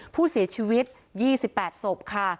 ผู้เสียชีวิต๒๘ศพค่ะ